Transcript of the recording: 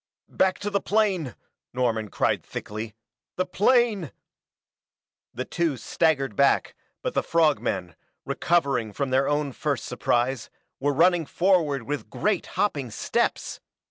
_" "Back to the plane!" Norman cried thickly. "The plane " The two staggered back, but the frog men, recovering from their own first surprise, were running forward with great hopping steps!